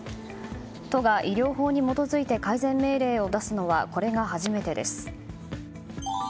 都が医療法に基づいて改善命令を出すのはこれが初めてです。